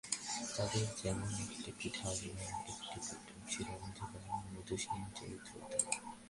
চাঁদের যেমন এক পিঠে আলো আর-এক পিঠে চির-অন্ধকার, মধুসূদনের চরিত্রেও তাই।